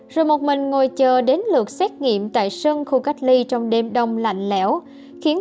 rồi một mình ngồi chờ đến lượt xét nghiệm tại sân khu cách ly trong đêm đông lạnh lên